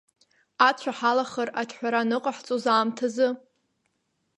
Ацәа ҳалахар, аҿҳәара аныҟаҳҵоз аамҭазы?